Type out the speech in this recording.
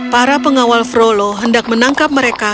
para pengawal frolo hendak menangkap mereka